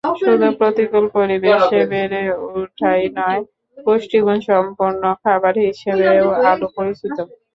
শুধু প্রতিকূল পরিবেশে বেড়ে ওঠাই নয়, পুষ্টিগুণসম্পন্ন খাবার হিসেবেও আলু পরিচিত।